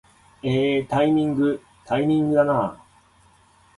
えータイミングー、タイミングだなー